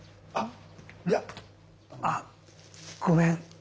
あごめん。